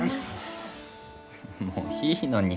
もういいのに。